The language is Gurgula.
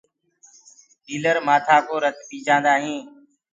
ڏيٚلر مآٿآ ڪو رت پي جآندآ هينٚ۔